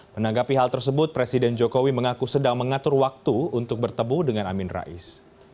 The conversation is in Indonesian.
menanggapi hal tersebut presiden jokowi mengaku sedang mengatur waktu untuk bertemu dengan amin rais